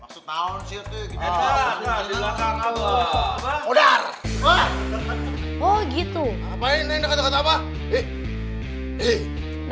maksud tahun siapkan di belakang apa udah oh gitu apa ini enggak apa apa